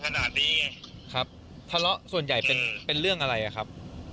ทะเลาะส่วนใหญ่ครับทะเลาะส่วนใหญ่เป็นเรื่องอะไรครับ